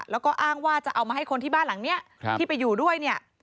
แล้วก็อ้างว่าจะเอามาให้คนที่บ้านหลังนี้ที่ไปอยู่ด้วยเนี่ย